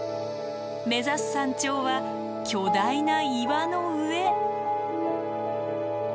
目指す山頂は巨大な岩の上。